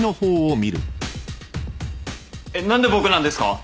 えっ何で僕なんですか？